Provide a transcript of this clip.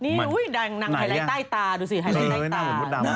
นี้นางไทยรายใต้ตาดูสิไฮไลน์ใต้ตา